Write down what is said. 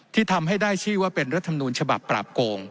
ที่ทำให้ได้ชื่อว่าเป็นรัฐมนูญฉบับปราบโกง